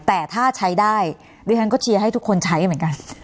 แต่ถ้าใช้ได้ดิฉันก็เชียร์ให้ทุกคนใช้เหมือนกัน